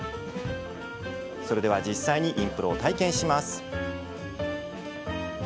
それでは、実際にインプロを体験します。